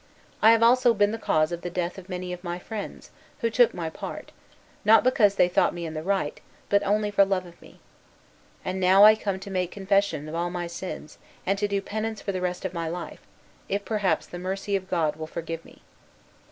I have also been the cause of the death of many of my friends, who took my part, not because they thought me in the right, but only for love of me. And now I come to make confession of all my sins, and to do penance for the rest of my life, if perhaps the mercy of God will forgive me."